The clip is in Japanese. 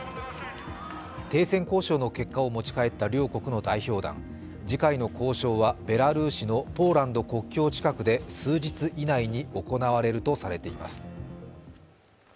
停戦交渉の結果を持ち帰った両国の代表団、次回の交渉はベラルーシのポーランド国境近くで数日以内に行われるとされています。